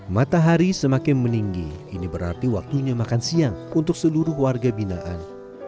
matahari semakin meninggi ini berarti waktunya makan siang untuk seluruh warga binaan